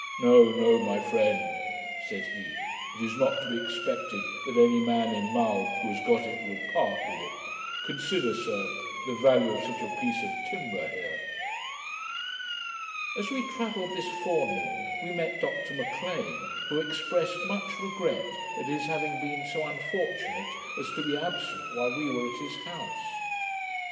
'No, no, my friend,' said he, 'it is not to be expected that any man in Mull, who has got it, will part with it. Consider, sir, the value of such a PIECE OF TIMBER here!' As we travelled this forenoon, we met Dr M'Lean, who expressed much regret at his having been so unfortunate as to be absent while we were at his house.